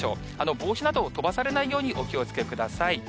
帽子などを飛ばされないようにお気をつけください。